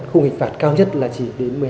khu nghịch phạt cao nhất là chỉ trích mức án